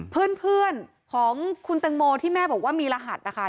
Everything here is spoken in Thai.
เพื่อนของคุณตังโมที่แม่บอกว่ามีรหัสนะคะ